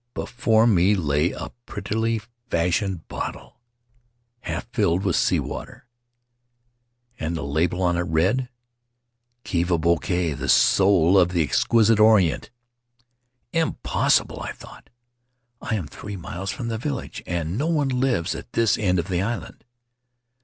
Before me lay a prettily fashioned bottle, half filled with sea water, and the label on it read, "Khiva Bouquet: The Soul of the Exquisite Orient." "Impossible!" I thought. "I am three miles from the village and no one lives at this end of the island."